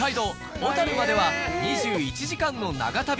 小樽までは２１時間の長旅。